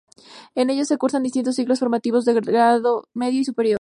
En ellos se cursan distintos ciclos formativos de grados medio y superior.